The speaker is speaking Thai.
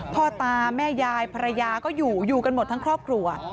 พ่อตาแม่ยายภรรยาก็อยู่อยู่กันหมดทั้งครอบครัว